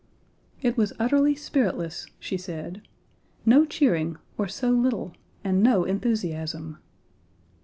"It was utterly spiritless," she said; "no cheering, or so little, and no enthusiasm."